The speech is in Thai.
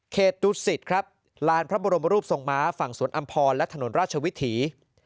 ดูสิตครับลานพระบรมรูปทรงม้าฝั่งสวนอำพรและถนนราชวิถี